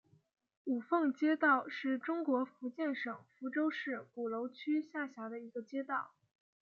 五凤街道是中国福建省福州市鼓楼区下辖的一个街道。